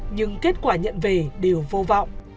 nhưng kết quả nhận về đều vô vọng